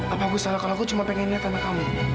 apa aku salah kalau aku cuma pengen lihat anak kamu